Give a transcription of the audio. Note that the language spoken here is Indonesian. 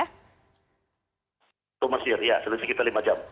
waktu mesir ya selesai sekitar lima jam